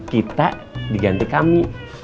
kita diganti kami